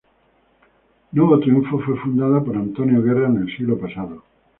Novo Triunfo fue fundado por Antônio Guerra en el siglo pasado.